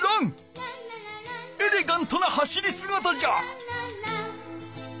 エレガントな走りすがたじゃ。